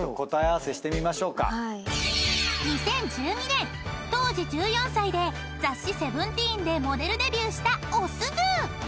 ［２０１２年当時１４歳で雑誌『Ｓｅｖｅｎｔｅｅｎ』でモデルデビューしたおすず］